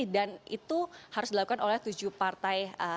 dan itu harus dilakukan oleh tujuh partai